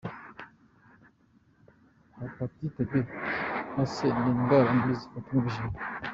Hepatite B na C ni indwara mbi zifata umwijima.